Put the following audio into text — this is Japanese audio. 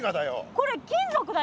これ金属だよ。